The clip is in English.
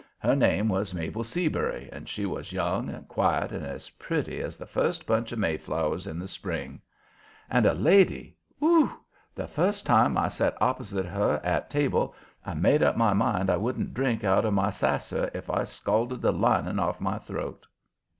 Her name was Mabel Seabury, and she was young and quiet and as pretty as the first bunch of Mayflowers in the spring. And a lady whew! The first time I set opposite to her at table I made up my mind I wouldn't drink out of my sasser if I scalded the lining off my throat.